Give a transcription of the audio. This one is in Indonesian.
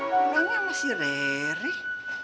orangnya masih rereh